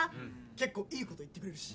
結構いいこと言ってくれるし